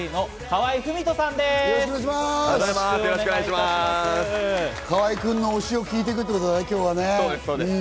河合君の推しを聞いていくってことだね、今日は。